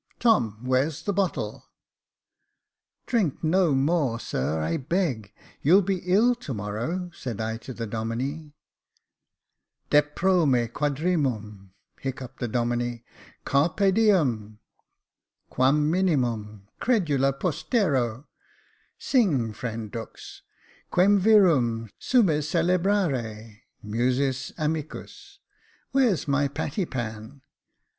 Tom, Where's the bottle ?"" Drink no more, sir, I beg ; you'll be ill to morrow," said I to the Domine. *' Deprome quadrimum,^^ hiccuped the Domine. Carpe diem — quam minimum — credula postero — Sing, friend Dux — Quern virum — sumes celehrare — musis amicus — ^Where's my patty pan